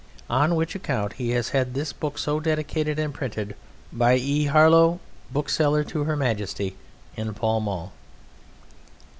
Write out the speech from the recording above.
On which account he has this book so dedicated and printed by E. Harlow, bookseller to Her Majesty, in Pall Mall.